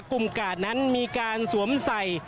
กาดนั้นมีการสวมใส่